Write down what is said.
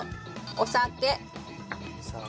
お酒。